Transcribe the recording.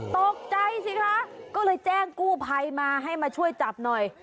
ตกใจสิคะก็เลยแจ้งกู้ภัยมาให้มาช่วยจับหน่อย